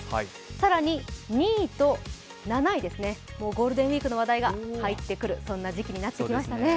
更に、２位と７位ですね、もうゴールデンウイークの話題が入ってくる、そんな時期になってきましたね。